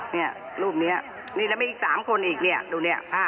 นี่รูปนี้แล้วมีอีก๓คนอีกนี่ดูนี่ภาพ